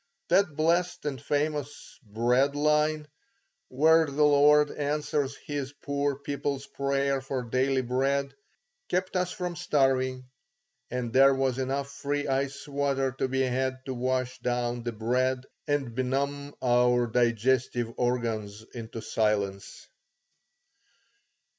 That blessed and famous bread line, where the Lord answers His poor people's prayer for daily bread, kept us from starving, and there was enough free ice water to be had to wash down the bread and benumb our digestive organs into silence.